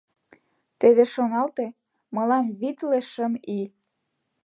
Теве шоналте, мылам витле шым ий.